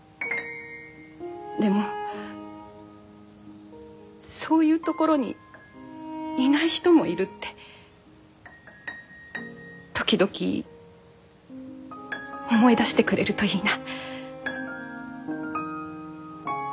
でもそういうところにいない人もいるって時々思い出してくれるといいな。